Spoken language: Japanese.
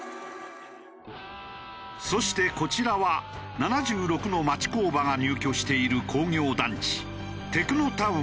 そしてこちらは７６の町工場が入居している工業団地テクノタウン